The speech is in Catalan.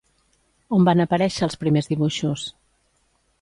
On van aparèixer els primers dibuixos?